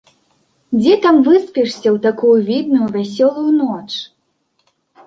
Дзе там выспішся ў такую відную вясёлую ноч?!